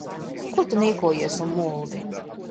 Ko tu niekojies un muldi?